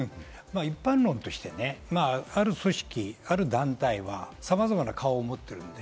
一般論としてある組織、団体はさまざまな顔を持っている。